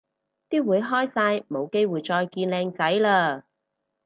啲會開晒冇機會再見靚仔嘞